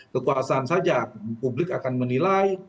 kekuasaan saja publik akan menilai